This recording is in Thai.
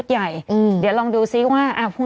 จากที่ตอนแรกอยู่ที่๑๐กว่าศพแล้ว